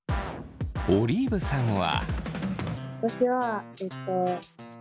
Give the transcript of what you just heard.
オリーブさんは。